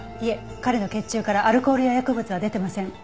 彼の血中からアルコールや薬物は出てません。